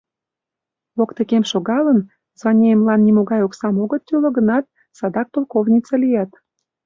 Воктекем шогалын, званиемлан нимогай оксам огыт тӱлӧ гынат, садак полковница лият».